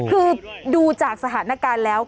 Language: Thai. คือดูจากสถานการณ์แล้ว